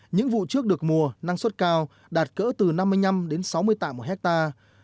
những vụ trước được mùa năng suất cao đạt cỡ từ năm mươi năm đến sáu mươi tạ một hectare